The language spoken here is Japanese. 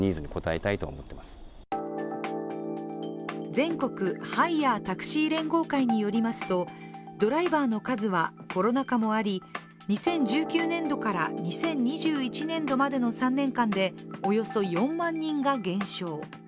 全国ハイヤー・タクシー連合会によりますとドライバーの数は、コロナ禍もあり２０１９年度から２０２１年度までの３年間でおよそ４万人が減少。